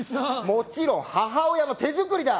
もちろん母親の手作りだ！